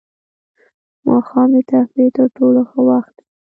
ماښام د تفریح تر ټولو ښه وخت دی.